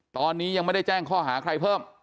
ตอนนี้ยังไม่ได้แจ้งข้อหาใครเพิ่ม